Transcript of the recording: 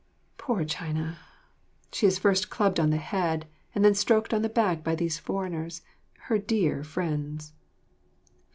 Poor China! She is first clubbed on the head and then stroked on the back by these foreigners, her dear friends.